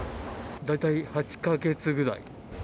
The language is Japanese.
大体８か月ぐらい。